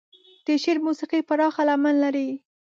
د شعر موسيقي پراخه لمن لري.